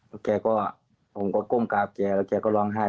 แล้วแกก็ผมก็ก้มกราบแกแล้วแกก็ร้องไห้